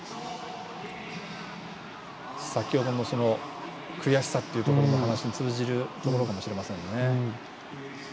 先ほどの悔しさというところの話に通じるところかもしれませんね。